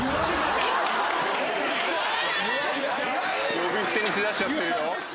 呼び捨てにしだしちゃってるよ。